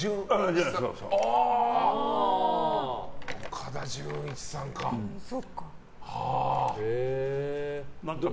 岡田准一さんですか。